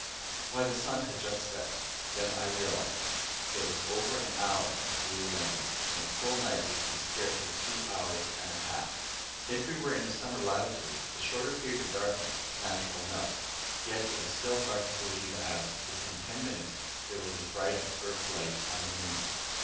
Why, the sun had just set. Then I realized. It was over an hour since we had landed, and a full night would be scarcely two hours and a half. If we were in a summer latitude, the shorter period of darkness was natural enough. And yet it was still hard to believe as, within ten minutes, it was as bright as Earth light on the moon.